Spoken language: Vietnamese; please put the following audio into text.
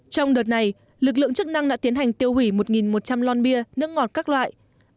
trong đợt này lực lượng chức năng đã tiến hành tiêu hủy một một trăm linh lon bia nước ngọt các loại